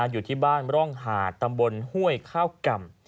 อยู่ที่บ้านร่องหาดตำบลห้วยข้าวก่ำ